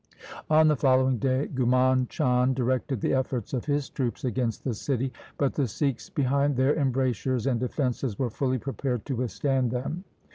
On the following day Ghumand Chand directed the efforts of his troops against the city, but the Sikhs behind their embrasures and defences were fully prepared to withstand them.